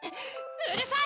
うるさい！